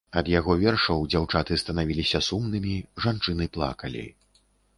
Ад яго вершаў дзяўчаты станавіліся сумнымі, жанчыны плакалі.